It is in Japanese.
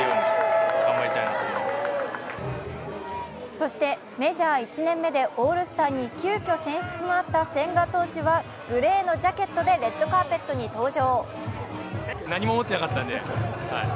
そしてメジャー１年目でオールスターに急きょ選出となった千賀投手はグレーのジャケットでレッドカーペットに登場。